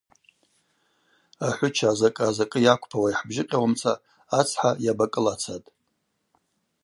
Ахӏвыча азакӏы азакӏы йаквпауа йхӏбжьыкъьауамца ацхӏа йабакӏылацатӏ.